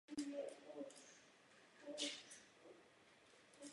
Hospodaření s časem je pro žáka pro podání co nejlepšího výkonu velmi důležité.